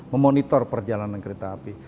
memonitor perjalanan kereta api